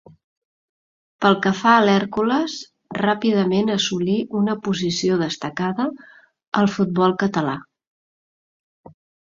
Pel que fa a l'Hèrcules, ràpidament assolí una posició destacada al futbol català.